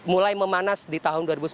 mulai memanas di tahun dua ribu sembilan belas